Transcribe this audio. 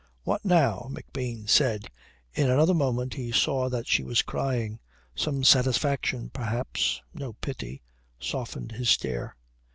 "What now?" McBean said. In another moment he saw that she was crying. Some satisfaction perhaps, no pity, softened his stare....